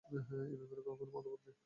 এ ব্যাপারে কোন মতভেদ নেই।